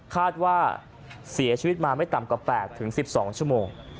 คาดว่าเสียชีวิตมาไม่ต่ำกว่าแปดถึงสิบสองชั่วโมง